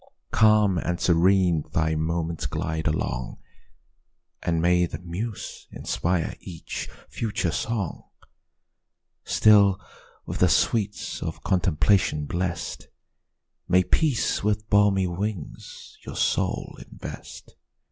Calm and serene thy moments glide along, And may the muse inspire each future song! Still, with the sweets of contemplation bless'd, May peace with balmy wings your soul invest!